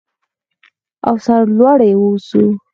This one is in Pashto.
او سرلوړي اوسو.